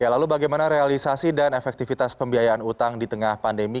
lalu bagaimana realisasi dan efektivitas pembiayaan utang di tengah pandemi